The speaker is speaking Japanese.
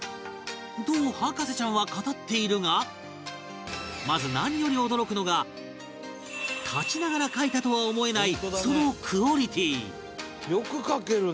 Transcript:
と博士ちゃんは語っているがまず何より驚くのが立ちながら書いたとは思えないそのクオリティー